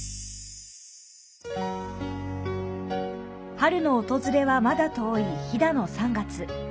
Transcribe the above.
春の訪れはまだ遠い飛騨の３月。